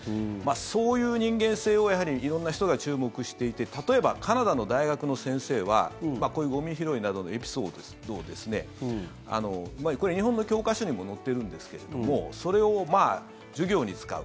そういう人間性をやはり色んな人が注目していて例えば、カナダの大学の先生はこういうゴミ拾いなどのエピソードをこれ、日本の教科書にも載っているんですけれどもそれを授業に使う。